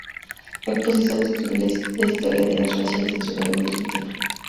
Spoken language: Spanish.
La exposición describe la historia de las relaciones entre Noruega y Argentina.